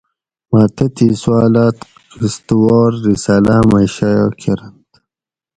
مہ تتھیں سوالاۤت قسط وار رساۤلاۤ مئ شایٔع کۤرنت